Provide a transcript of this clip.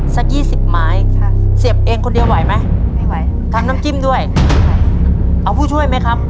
ค่ะสัก๒๐ไม้เสียบเองคนเดียวไหวไหมทำน้ำจิ้มด้วยเอาผู้ช่วยไหมครับ